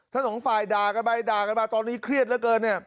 ทั้งสองฝ่ายด่ากันไปด่ากันมาตอนนี้เครียดเหลือเกินเนี่ย